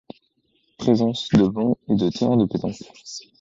Présence de bancs et de terrains de pétanque.